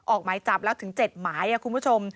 ออกหมายจับแล้วถึง๗หมายคุณผู้ชม